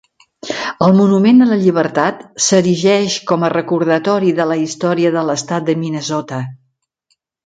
El monument a la llibertat s'erigeix com a recordatori de la història de l'estat de Minnesota.